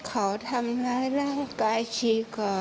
เขาทำร้ายร่างกายชีก่อน